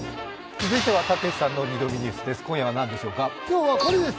続いては、たけしさんの「２度見ニュース」です。